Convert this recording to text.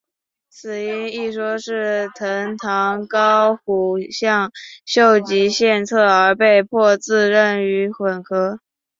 死因一说是藤堂高虎向秀吉献策而被迫自刃于粉河。